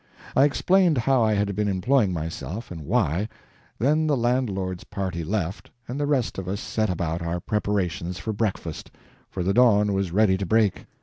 I explained how I had been employing myself, and why. Then the landlord's party left, and the rest of us set about our preparations for breakfast, for the dawn was ready to break.